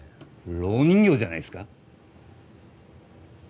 ろう人形じゃないですか？